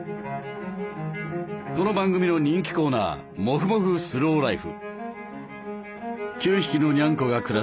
この番組の人気コーナー「もふもふスローライフ」。